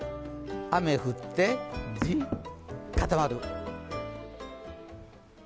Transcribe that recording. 雨降って地固まる。